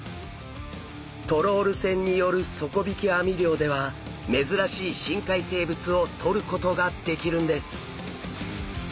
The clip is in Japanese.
トロール船による底引き網漁では珍しい深海生物をとることができるんです！